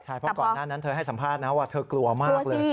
ใช่เพราะก่อนหน้านั้นเธอให้สัมภาษณ์นะว่าเธอกลัวมากเลย